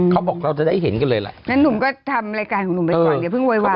เขาบอกเราจะได้เห็นกันเลยล่ะงั้นหนุ่มก็ทำรายการของหนุ่มไปก่อนอย่าเพิ่งโวยวาย